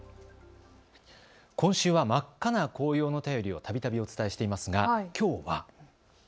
今週は真っ赤な紅葉の便りをたびたびお伝えしていますがきょうは。